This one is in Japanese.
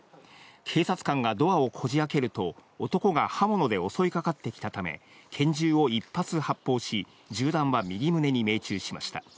警察官がドアをこじあけると、男が刃物で襲いかかってきたため、拳銃を１発発砲し、銃弾は右胸に命中しました。